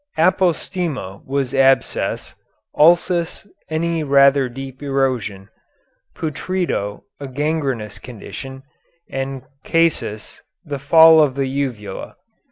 Apostema was abscess, ulcus any rather deep erosion, putredo a gangrenous condition, and casus the fall of the uvula.